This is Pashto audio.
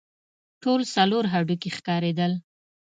ټول څلور هډوکي ښکارېدل.